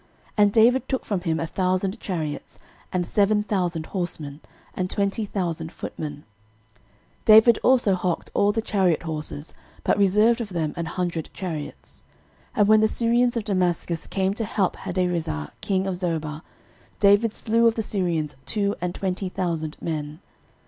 13:018:004 And David took from him a thousand chariots, and seven thousand horsemen, and twenty thousand footmen: David also houghed all the chariot horses, but reserved of them an hundred chariots. 13:018:005 And when the Syrians of Damascus came to help Hadarezer king of Zobah, David slew of the Syrians two and twenty thousand men.